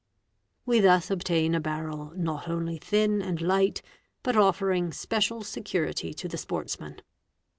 _ We thus obtain a barrel not only thin and light but offering special Security to the sportsman.